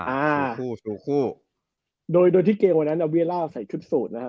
อ่าชูคู่โดยโดยที่เกมวันนั้นอะวียร่าใส่ชุดสูตรนะฮะ